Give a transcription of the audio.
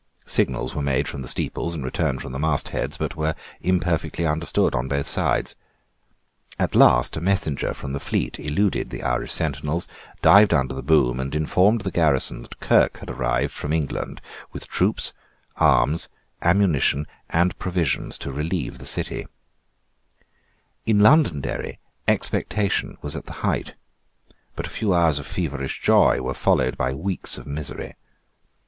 Signals were made from the steeples and returned from the mast heads, but were imperfectly understood on both sides. At last a messenger from the fleet eluded the Irish sentinels, dived under the boom, and informed the garrison that Kirke had arrived from England with troops, arms, ammunition, and provisions, to relieve the city, In Londonderry expectation was at the height: but a few hours of feverish joy were followed by weeks of misery.